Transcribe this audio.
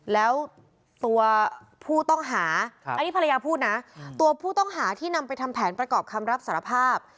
แล้วตัวผู้ต้องหาอันนี้ภรรยาพูดนะตัวผู้ต้องหาที่นำไปทำแผนประกอบคำรับสารภาพ